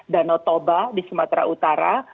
danau toba di sumatera utara